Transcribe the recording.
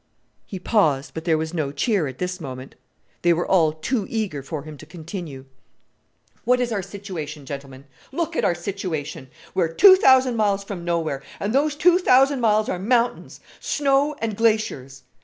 He paused; but there was no cheer at this moment. They were all too eager for him to continue. "What is our situation, gentlemen? Look at our situation! We're two thousand miles from nowhere, and those two thousand miles are mountains snow and glaciers!